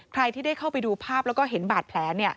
ใครที่ได้เข้าไปดูภาพแล้วก็เห็นบาดแผล